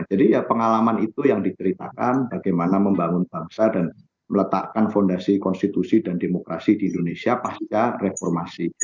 jadi ya pengalaman itu yang diteritakan bagaimana membangun bangsa dan meletakkan fondasi konstitusi dan demokrasi di indonesia pasca reformasi